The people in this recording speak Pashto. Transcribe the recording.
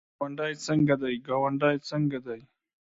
ګاونډی څنګه دی؟